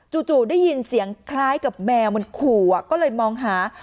จู่ได้ยินเสียงคล้ายกับแมวมันขู่ก็เลยมองหา